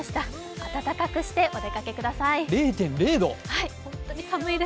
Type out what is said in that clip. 温かくしてお出かけください。